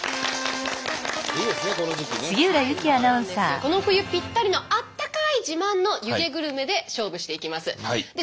この冬ぴったりのあったかい自慢の湯気グルメで勝負していきます。